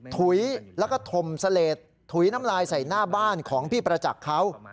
ถุยแล้วก็ถมเสลดถุยน้ำลายใส่หน้าบ้านของพี่ประจักษ์เขา